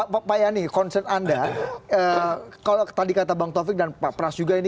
pak payani concern anda kalau tadi kata bang taufik dan pak pras juga ini